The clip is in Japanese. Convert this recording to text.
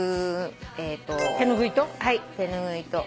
手拭いと？